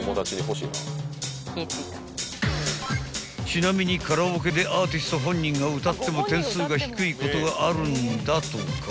［ちなみにカラオケでアーティスト本人が歌っても点数が低いことがあるんだとか］